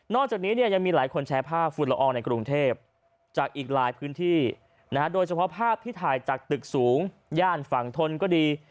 จากนี้เนี่ยยังมีหลายคนแชร์ภาพฝุ่นละอองในกรุงเทพจากอีกหลายพื้นที่โดยเฉพาะภาพที่ถ่ายจากตึกสูงย่านฝั่งทนก็ดี